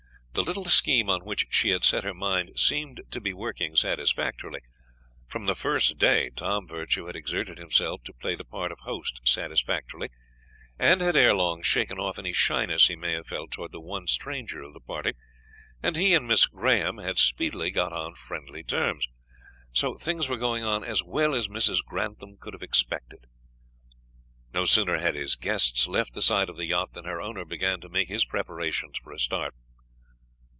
The little scheme on which she had set her mind seemed to be working satisfactorily. From the first day Tom Virtue had exerted himself to play the part of host satisfactorily, and had ere long shaken off any shyness he may have felt towards the one stranger of the party, and he and Miss Graham had speedily got on friendly terms. So things were going on as well as Mrs. Grantham could have expected. No sooner had his guests left the side of the yacht than her owner began to make his preparations for a start.